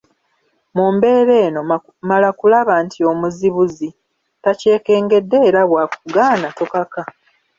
Mu mbeera eno; mala kulaba nti omuzibuzi takyekengedde, era bw’akugaana tokaka